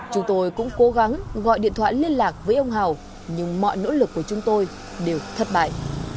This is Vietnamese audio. chúng tôi cũng cố gắng gọi điện thoại liên lạc với ông hào nhưng mọi nỗ lực của chúng tôi đều thất bại